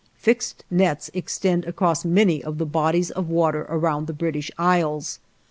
Fixed nets extend across many of the bodies of water around the British Isles.